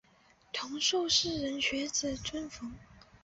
同受士人学子尊奉。